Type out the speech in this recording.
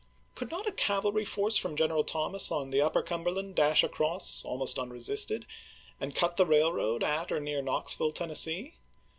Could not a cavalry force from General Thomas on the Upper Cumberland dash across, almost unresisted, and cut the railroad at or near Knox ville, Tennessee